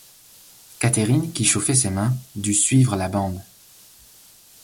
Catherine, qui chauffait ses mains, dut suivre la bande.